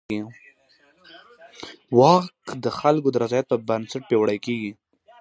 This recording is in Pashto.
واک د خلکو د رضایت پر بنسټ پیاوړی کېږي.